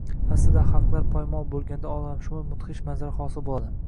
Aslida haqlar poymol bo‘lganda olamshumul mudhish manzara hosil bo‘ladi.